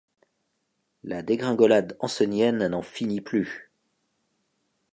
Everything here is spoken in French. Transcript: La dégringolade ancenienne n'en finit plus.